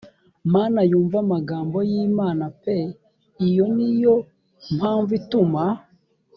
mana yumva amagambo y imana p iyo ni yo mpamvu ituma